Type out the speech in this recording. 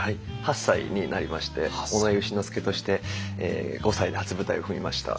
８歳になりまして尾上丑之助として５歳で初舞台を踏みました。